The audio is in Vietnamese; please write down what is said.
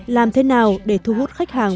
làm thế nào để thu hút khách hàng